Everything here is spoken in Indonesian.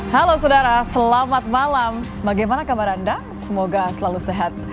halo saudara selamat malam bagaimana kabar anda semoga selalu sehat